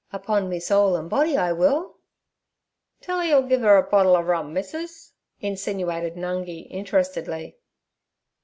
Upon me soul an' body, I will!' 'Tell'er yu'll gi' 'er a bottle ov rum, missus' insinuated Nungi interestedly.